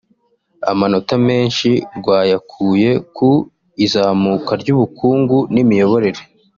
Amanota menshi rwayakuye ku izamuka ry’ ubukungu n’ imiyoborere